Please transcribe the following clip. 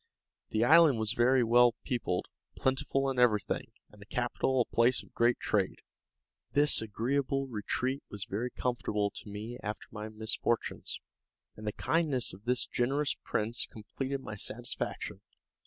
The island was very well peopled, plentiful in everything, and the capital a place of great trade. This agreeable retreat was very comfortable to me after my misfortunes, and the kindness of this generous prince completed my satisfaction.